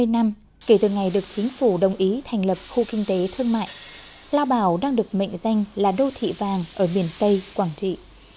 hai mươi năm kể từ ngày được chính phủ đồng ý thành lập khu kinh tế thương mại lao bảo đang được mệnh danh là đô thị vàng ở miền tây quảng trị